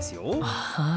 ああ。